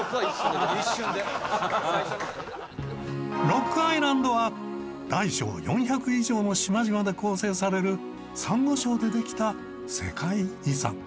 ロックアイランドは大小４００以上の島々で構成されるサンゴ礁でできた世界遺産。